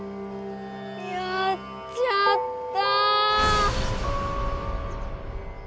やっちゃった。